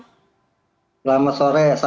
selamat sore salam